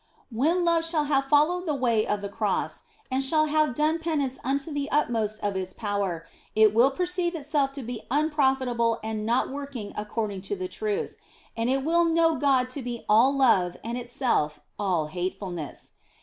When love shall have followed the way of the Cross and shall have done penance unto the utmost of its OF FOLIGNO 133 power, it will perceive itself to be unprofitable and not working according to the truth ; and it will know God to be all love and itself all hatefulness.